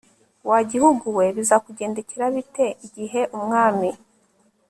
wa gihugu we bizakugendekera bite igihe umwami